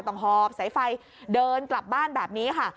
หอบสายไฟเดินกลับบ้านแบบนี้ค่ะ